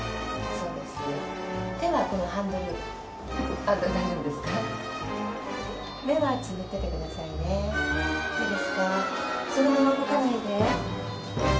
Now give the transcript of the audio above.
そのまま動かないで。